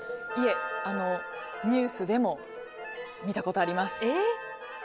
いえ、ニュースでも見たことあります。